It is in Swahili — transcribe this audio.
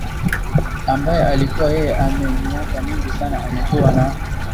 ambaye alikuwa yeye ame miaka mingi sana amekuwa na